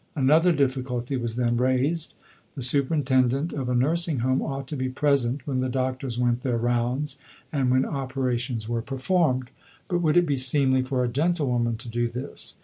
Another difficulty was then raised. The superintendent of a nursing home ought to be present when the doctors went their rounds and when operations were performed. But would it be seemly for a gentlewoman to do this?